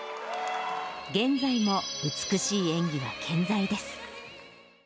現在も美しい演技は健在です。